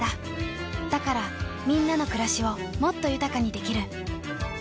だからみんなの暮らしをもっと豊かにできる。